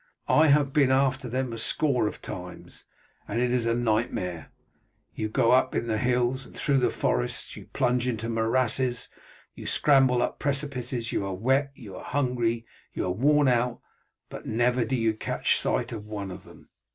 I have been after them a score of times, and it is a night mare. You go up hills and through forests, you plunge into morasses, you scramble up precipices; you are wet, you are hungry, you are worn out, but never do you catch sight of one of them.